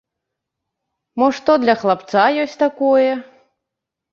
Мо што для хлапца ёсць такое?